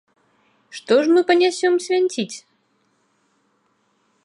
Што ж мы панясём свянціць?